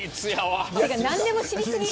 何でも知り過ぎ。